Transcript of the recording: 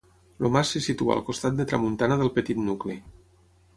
El mas se situa al costat de tramuntana del petit nucli.